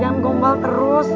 jangan gombal terus